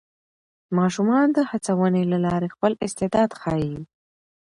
ماشومان د هڅونې له لارې خپل استعداد ښيي